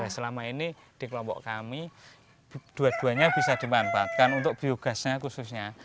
selama ini di kelompok kami dua duanya bisa dimanfaatkan untuk biogasnya khususnya